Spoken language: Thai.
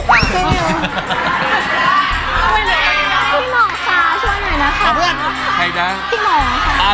พี่หมอค่ะช่วยหน่อยนะคะ